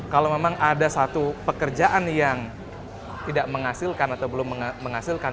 kalau memang ada satu pekerjaan yang tidak menghasilkan atau belum menghasilkan